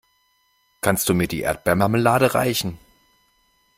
Kannst du mir die Erdbeermarmelade reichen?